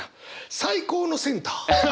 最高のセンター！